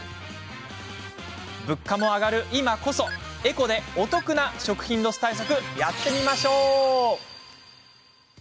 物価も上がる今こそエコでお得な食品ロス対策やってみましょう！